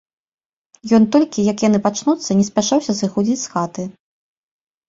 Ён толькі, як яны пачнуцца, не спяшаўся сыходзіць з хаты.